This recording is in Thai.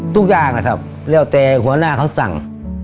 ทุกอย่างนะครับแล้วแต่หัวหน้าเขาสั่ง